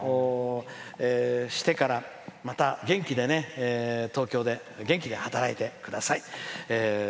卒業してからまた元気で東京で元気で働いてください。